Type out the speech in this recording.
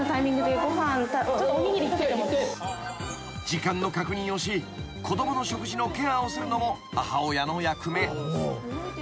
［時間の確認をし子供の食事のケアをするのも母親の役目］